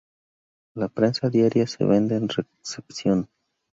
La prensa diaria se vende en recepción.